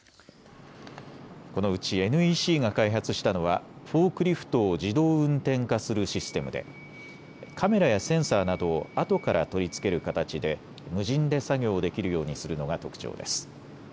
このうちＮＥＣが開発したのはフォークリフトを自動運転化するシステムでカメラやセンサーなどをあとから取り付ける形で無人で作業をできるようにするのが特徴です。